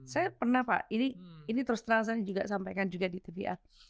saya pernah pak ini terus terang saya juga sampaikan juga di tv a